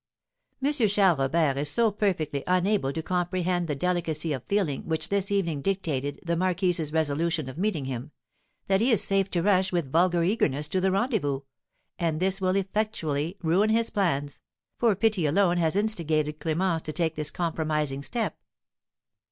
"M. Charles Robert is so perfectly unable to comprehend the delicacy of feeling which this evening dictated the marquise's resolution of meeting him, that he is safe to rush with vulgar eagerness to the rendezvous, and this will effectually ruin his plans, for pity alone has instigated Clémence to take this compromising step.